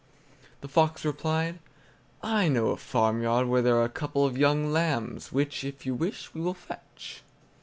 The fox replied: "I know a farmyard where there are a couple of young lambs, which, if you wish, we will fetch."